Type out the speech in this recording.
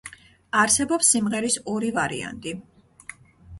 არსებობს სიმღერის ორი ვარიანტი.